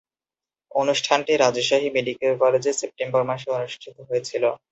অনুষ্ঠানটি রাজশাহী মেডিকেল কলেজে সেপ্টেম্বর মাসে অনুষ্ঠিত হয়েছিলো।